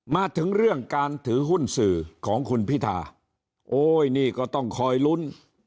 มาถึงเรื่องการถือหุ้นสื่อของคุณพิธาโอ้ยนี่ก็ต้องคอยลุ้น